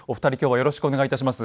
よろしくお願いします。